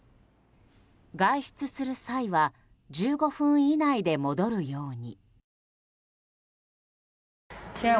外出する際は１５分以内で戻るように。